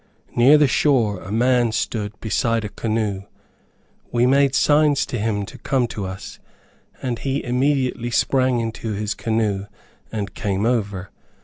Near the shore a man stood beside a canoe. We made signs to him to come to us, and he immediately sprang into his canoe and came over.